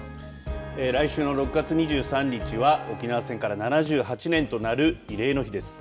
来週の６月２３日は沖縄戦から７８年となる慰霊の日です。